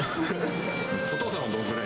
お父さんはどのくらい？